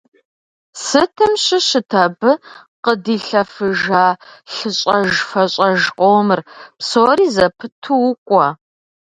Сытым щыщыт абы къыдилъэфыжа лъыщӏэж-фэщӏэж къомыр… Псори зэпыту укӏуэ.